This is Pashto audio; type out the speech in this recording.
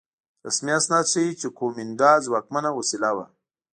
رسمي اسناد ښيي چې کومېنډا ځواکمنه وسیله وه.